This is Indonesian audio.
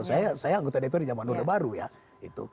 saya anggota dpr di jaman muda baru